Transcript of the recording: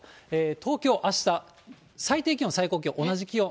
東京、あした、最低気温、最高気温同じ気温。